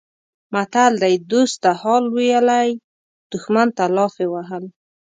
متل دی: دوست ته حال ویلی دښمن ته لافې وهل.